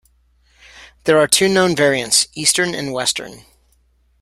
There are two known variants: eastern and western.